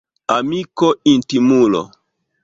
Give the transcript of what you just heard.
Amiko — intimulo.